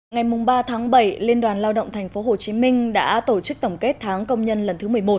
ngày ba tháng bảy liên đoàn lao động tp hcm đã tổ chức tổng kết tháng công nhân lần thứ một mươi một